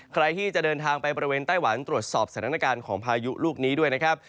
ใครที่จะเดินทางไปบริเวณไต้หวันตรวจสอบสถานการณ์ของพายุลูกนี้ด้วยนะครับ